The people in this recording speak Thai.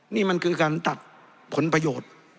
นี่มันคือการตัดผลประโยชน์